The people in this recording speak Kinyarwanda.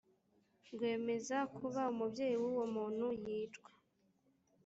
rwemeza kuba umubyeyi w uwo muntu yicwa